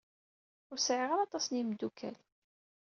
Ur sɛiɣ ara aṭas n yimeddukal.